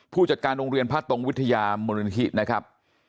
ผู้จัดการโรงเรียนพระตรงวิทยามูลนิธินะครับ